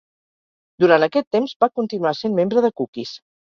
Durant aquest temps, va continuar sent membre de Cookies.